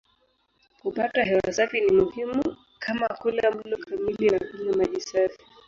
Kupata hewa safi ni muhimu kama kula mlo kamili na kunywa maji safi.